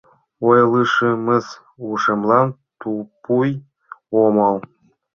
— Ойлышымыс, ушемлан тупуй омыл.